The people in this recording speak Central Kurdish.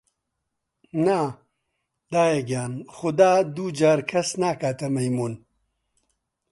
نا دایە گیان، خودا دوو جار کەس ناکەتە مەیموون!